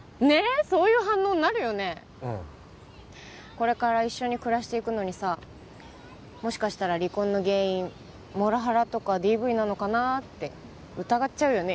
これから一緒に暮らしていくのにさもしかしたら離婚の原因モラハラとかＤＶなのかなって疑っちゃうよね